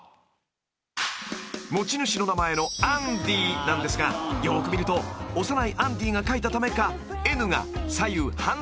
［持ち主の名前の「ＡＮＤＹ」なんですがよく見ると幼いアンディが書いたためか］